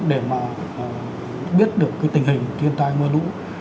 để mà biết được cái tình hình thiên tai mưa lũ